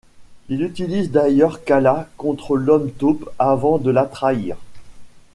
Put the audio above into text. Il utilise d'ailleurs Kala contre l'Homme-Taupe avant de la trahir.